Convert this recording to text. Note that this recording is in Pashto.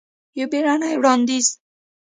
یو بیړنې وړاندیز!